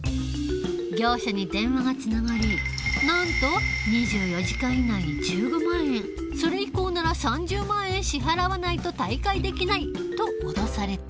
業者に電話がつながりなんと「２４時間以内に１５万円それ以降なら３０万円支払わないと退会できない」と脅された。